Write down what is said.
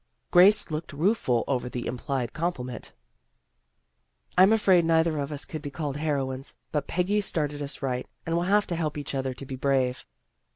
Grace looked rueful over the implied compli ment. " I'm afraid neither of us could be called heroines. But Peggy's started us right, and we'll have to help each other to be brave."